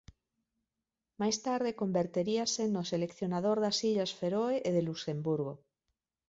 Máis tarde converteríase no seleccionador das Illas Feroe e de Luxemburgo